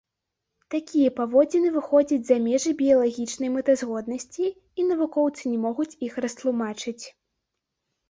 Такія паводзіны выходзяць за межы біялагічнай мэтазгоднасці, і навукоўцы не могуць іх растлумачыць.